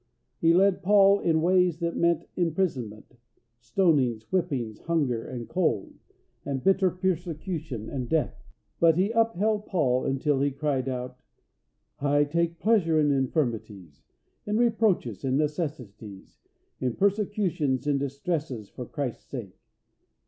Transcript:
He led Paul in ways that meant imprisonment, stonings, whippings, hunger and cold, and bitter persecution and death. But He upheld Paul until he cried out: "I take pleasure in infirmities, in reproaches, in necessities, in persecutions, in distresses for Christ's sake."